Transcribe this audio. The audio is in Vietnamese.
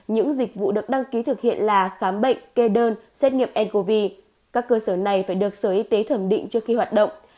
những dịch vụ được đăng ký thực hiện là khám bệnh kê đơn xét nghiệm ncov các cơ sở này phải được sở y tế thẩm định trước khi hoạt động